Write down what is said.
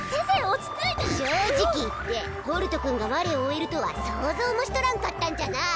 落ち着いて正直言ってホルト君が我を追えるとは想像もしとらんかったんじゃなあ